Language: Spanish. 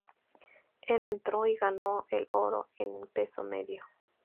Él entró y ganó el oro en peso medio.